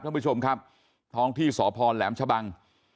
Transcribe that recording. ท่านผู้ชมครับท้องที่สพแหลมชะบัง